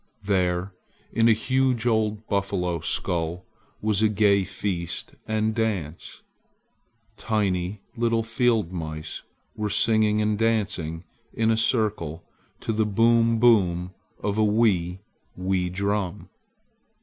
There in a huge old buffalo skull was a gay feast and dance! Tiny little field mice were singing and dancing in a circle to the boom boom of a wee, wee drum.